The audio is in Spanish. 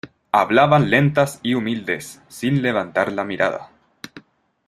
hablaban lentas y humildes, sin levantar la mirada: